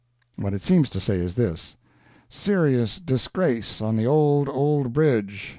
What it seems to say is this: "Serious Disgrace on the Old Old Bridge.